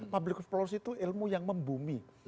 public policy itu ilmu yang membumi